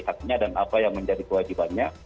haknya dan apa yang menjadi kewajibannya